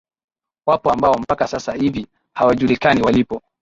wapo ambao mpaka sasa hivi hawajulikani walipo